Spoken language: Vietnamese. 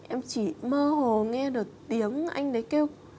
em chỉ mơ hồ nghe được tiếng anh đấy kêu